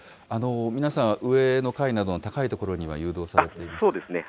皆さん、上の階などの高い所には誘導されていると？